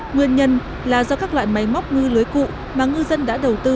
nguyên nhân là do các loại máy móc ngư lưới cụ mà ngư dân đã đầu tư